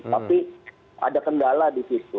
tapi ada kendala di situ